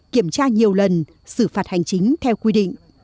kiểm tra nhiều lần xử phạt hành chính theo quy định